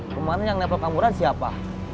kemarin yang nepot kamu ada siapa